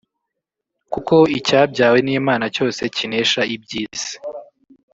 Kuko icyabyawe n’Imana cyose kinesha iby’isi